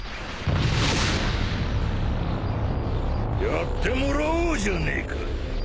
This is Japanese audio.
やってもらおうじゃねえか。